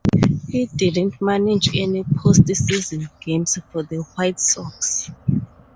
He didn't manage any post-season games for the White Sox.